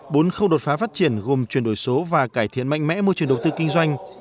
bốn khâu đột phá phát triển gồm chuyển đổi số và cải thiện mạnh mẽ môi trường đầu tư kinh doanh